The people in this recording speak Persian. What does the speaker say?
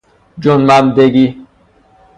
جنبندگی